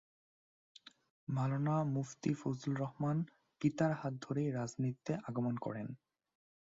মাওলানা মুফতী ফজলুর রহমান পিতার হাত ধরেই রাজনীতিতে আগমন করেন।